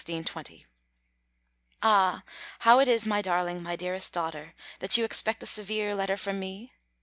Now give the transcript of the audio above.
_ Ah! how is it, my darling, my dearest daughter, that you expect a severe letter from me?